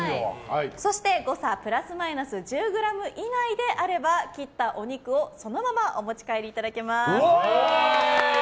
そして、誤差プラスマイナス１０ｇ以内であれば切ったお肉をそのままお持ち帰りいただけます。